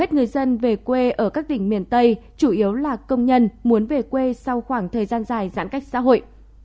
các người dân về quê ở các đỉnh miền tây chủ yếu là công nhân muốn về quê sau khoảng thời gian dài giãn cách xã hội